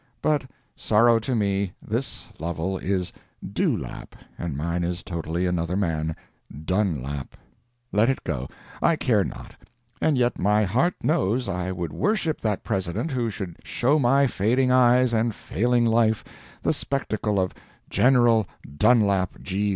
But sorrow to me, this Lovel is Dew lap, and mine is totally another man—Dun lap. Let it go. I care not. And yet my heart knows I would worship that President who should show my fading eyes and failing life the spectacle of "General" Dun lap G.